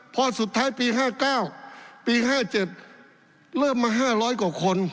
พอสุดท้ายปีห้าเก้าปีห้าเจ็ดเริ่มมาห้าร้อยกว่าคน